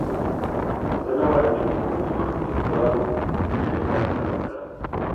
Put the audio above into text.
زه نه وایم چې زموږ ځوان لیکوال ښه کار نه دی کړی.